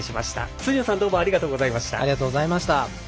辻野さんありがとうございました。